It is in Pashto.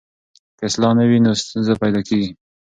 که اصلاح نه وي نو ستونزه پیدا کېږي.